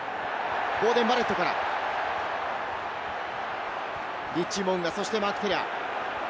ボーデン・バレットからリッチー・モウンガ、そしてマーク・テレア。